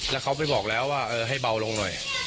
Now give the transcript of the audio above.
แล้วเขาไปบอกแล้วว่าให้เบาลงหน่อย